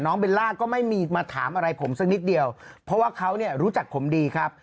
เบลล่าก็ไม่มีมาถามอะไรผมสักนิดเดียวเพราะว่าเขาเนี่ยรู้จักผมดีครับ